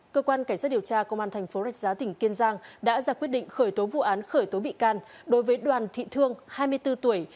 cơ quan cảnh sát điều tra công an thành phố rạch giá tỉnh kiên giang đã ra quyết định khởi tố vụ án khởi tố bị can đối với đoàn thị thương hai mươi bốn tuổi